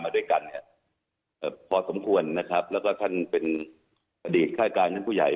ด้วยกันเนี่ยเอ่อพอสมควรนะครับแล้วก็ท่านเป็นอดีตค่ายการชั้นผู้ใหญ่